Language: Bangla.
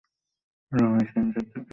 রমি স্নেইডার দেখেছ?